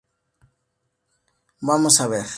Vamos a ver.